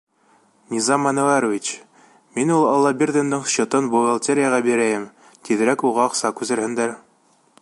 Низам Әнүәрович, мин ул Аллабирҙиндың счетын бухгалтерияға бирәйем, тиҙерәк уға аҡса күсерһендәр.